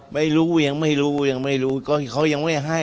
ไม่รู้ยังไม่รู้ยังไม่รู้ก็เขายังไม่ให้